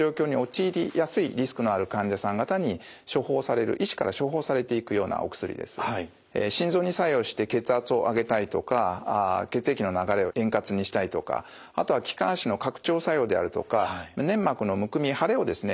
アナフィラキシーの状態を緩和させてくれるお薬なんですけれども心臓に作用して血圧を上げたいとか血液の流れを円滑にしたいとかあとは気管支の拡張作用であるとか粘膜のむくみ腫れをですね